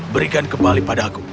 berikan kembali padaku